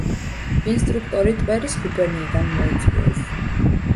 ინსტრუქტორი ტვერის გუბერნიიდან მოიწვიეს.